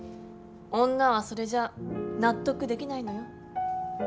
女はそれじゃ納得できないのよ。